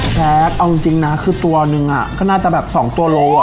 แซคเอาจริงนะคือตัวหนึ่งก็น่าจะแบบ๒ตัวโล